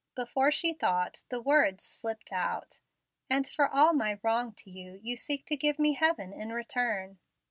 Before she thought, the words slipped out, "And for all my wrong to you, you seek to give me heaven in return."